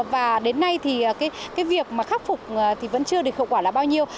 và đến nay thì cái việc khắc phục thì vẫn chưa được khẩu quả là bao nhiêu